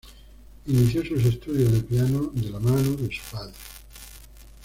Inició sus estudios de piano de la mano de su padre.